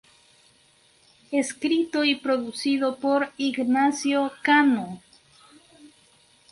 Escrito y producido por Ignacio Cano.